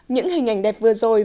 những hình ảnh đẹp vừa rồi